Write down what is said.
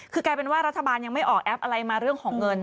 คือกลายเป็นว่ารัฐบาลยังไม่ออกแอปอะไรมาเรื่องของเงิน